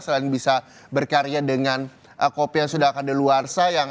selain bisa berkarya dengan kopi yang sudah ada luar sayang